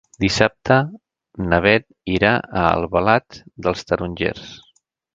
Dissabte na Beth irà a Albalat dels Tarongers.